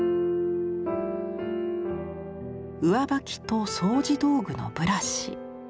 上履きと掃除道具のブラシ。